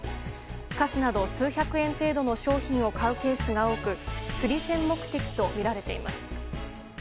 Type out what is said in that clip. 菓子など数百円程度の商品を買うケースが多く釣銭目的とみられています。